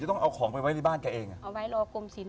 ช่อยต้องเอาของไปในบ้านเขายังใกล้